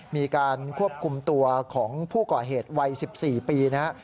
มีการควบคุมตัวของผู้ก่อเหตุวัย๑๔ปีนะครับ